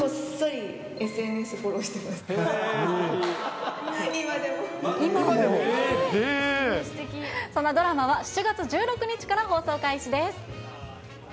そのドラマは７月１６日から放送開始です。